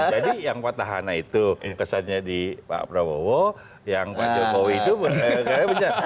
jadi yang pak tahana itu kesannya di pak prabowo yang pak jokowi itu kayaknya bencana